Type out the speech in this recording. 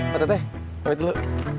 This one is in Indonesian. pak teteh pake dulu